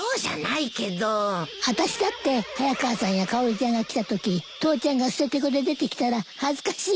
あたしだって早川さんやかおりちゃんが来たとき父ちゃんがステテコで出てきたら恥ずかしいわ。